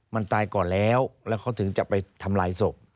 มันตายก่อนแล้วแล้วเขาถึงจะไปทำลายศพ